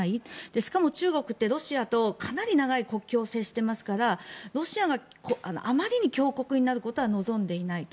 しかも中国ってロシアとかなり長い国境を接してますからロシアがあまりに強国になることは望んでいないと。